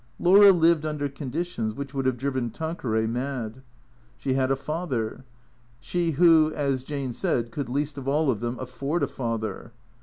Laura lived under conditions which would have driven Tan queray mad. She had a father; she who, as Jane said, could least of all of them afford a father.